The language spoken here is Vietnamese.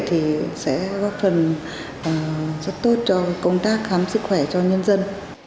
thì sẽ góp phần rất tốt cho công tác khám sức khỏe cho nhân dân